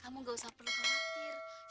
kamu gak usah perlu khawatir